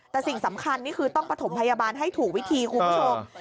แต่สิ่งสำคัญนี่คือต้องประถมพยาบาลให้ถูกวิธีคุณผู้ชม